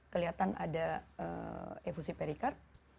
kelihatan ada efusi perikard